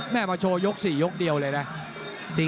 แม่มาโชว์ยกสี่ยกเดียวเลยนะ